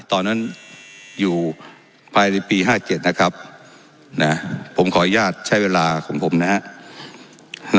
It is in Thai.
ตอนนั้นอยู่ภายในปี๕๗นะครับนะผมขออนุญาตใช้เวลาของผมนะฮะ